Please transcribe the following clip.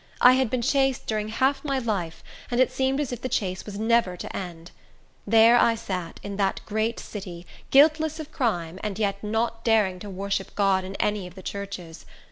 I had been chased during half my life, and it seemed as if the chase was never to end. There I sat, in that great city, guiltless of crime, yet not daring to worship God in any of the churches.